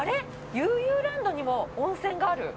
ＹＯＵ游ランドにも温泉がある。